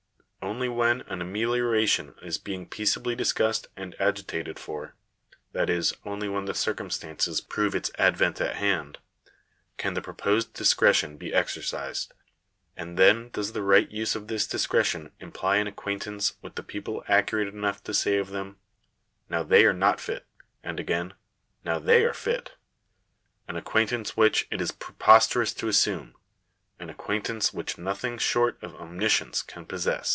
Only when an amelioration is being peaceably discussed and agitated for — that is, only when the circumstances prove its advent at hand — can the proposed discretion be exercised : and then does the right use of this discretion imply an acquaintance with the people accurate enough to say of them, " Now they are not fit;" and, again, "Now they are fit" — an acquaintance which it is preposterous to assume — an acquaintance which nothing short of omniscience can possess.